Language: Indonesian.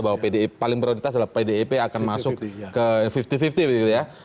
bahwa paling prioritas adalah pdip akan masuk ke lima puluh lima puluh begitu ya